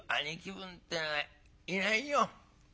分ってのはいないよ。